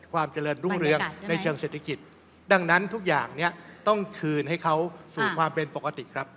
ความเจริญรุ่งเรืองในเชิงเศรษฐกิจดังนั้นทุกอย่างเนี่ยต้องคืนให้เขาสู่ความเป็นปกติครับ